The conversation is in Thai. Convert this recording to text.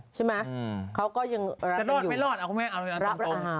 ใช่ไหมเขาก็ยังรักอยู่จะรอดไม่รอดเอาคุณแม่เอาตรงตรง